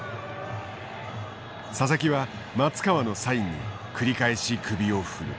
佐々木は松川のサインに繰り返し首を振る。